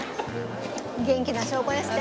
元気な証拠ですね。